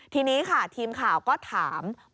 ทีนี้ค่ะทีมข่าวก็ถาม